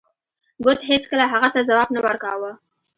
بت هیڅکله هغه ته ځواب نه ورکاو.